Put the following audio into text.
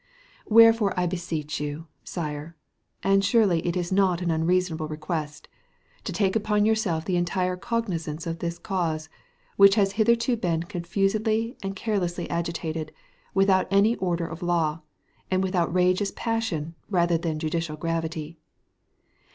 Wherefore I beseech you, Sire, and surely it is not an unreasonable request, to take upon yourself the entire cognizance of this cause, which has hitherto been confusedly and carelessly agitated, without any order of law, and with outrageous passion rather than judicial gravity.